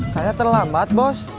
saya terlambat bos